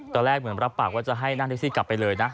ตอนแรกเหมือนรับปากว่าจะให้นั่งแท็กซี่กลับไปเลยนะ